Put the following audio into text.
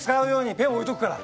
ペン置いとくから。